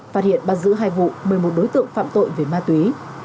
phát hiện bắt giữ hai vụ một mươi một đối tượng phạm tội về ma túy